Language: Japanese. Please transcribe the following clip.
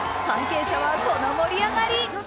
関係者はこの盛り上がり！